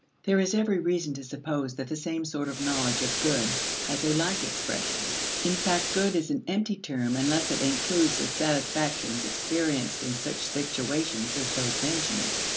There is every reason to suppose that the same sort of knowledge of good has a like expression; in fact "good" is an empty term unless it includes the satisfactions experienced in such situations as those mentioned.